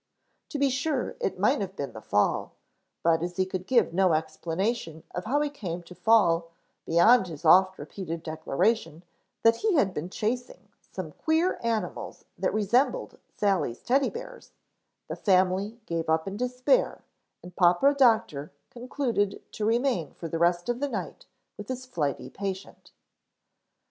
To be sure it might have been the fall, but as he could give no explanation of how he came to fall beyond his oft repeated declaration that he had been chasing some queer animals that resembled Sally's Teddy bears, the family gave up in despair and Papa Doctor concluded to remain for the rest of the night with his flighty patient.